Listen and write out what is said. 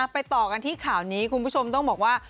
ไปต่อกันที่ข่าวนี้คุณผู้ชมต้องบอกว่า